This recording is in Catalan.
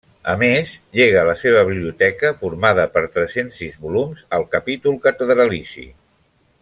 A més, llega la seva biblioteca, formada per tres-cents sis volums, al capítol catedralici.